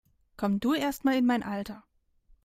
Komm du erstmal in mein Alter!